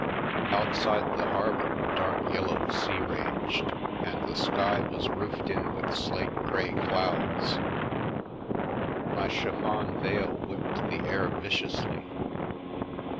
Outside the harbour a dark yellow sea raged, and the sky was roofed in with slate grey clouds; my chiffon veil whipped the air viciously.